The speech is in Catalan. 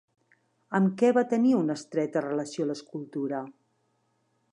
Amb què va tenir una estreta relació l'escultura?